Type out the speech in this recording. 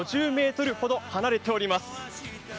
５０ｍほど離れています。